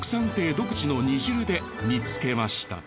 独自の煮汁で煮付けました。